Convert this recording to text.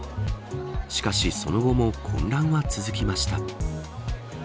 しかしその後も混乱は続きました。